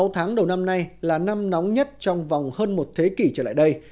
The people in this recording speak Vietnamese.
sáu tháng đầu năm nay là năm nóng nhất trong vòng hơn một thế kỷ trở lại đây